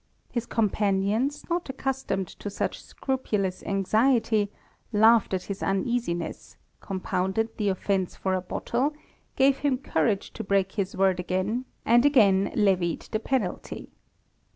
His companions, not accustomed to such scrupu lous anxiety, laughed at his uneasiness, compounded the offence for a bottle, gave him courage to break his word again, and again levied the penalty.